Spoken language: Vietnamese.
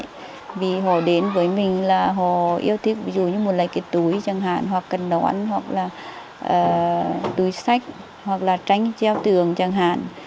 thì họ đến với mình là họ yêu thích ví dụ như một lấy cái túi chẳng hạn hoặc cần đón hoặc là túi sách hoặc là tránh treo tường chẳng hạn